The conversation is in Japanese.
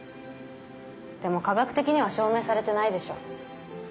でも科学的には証明されてないでしょ。